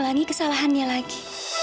untuk memulai kesalahannya lagi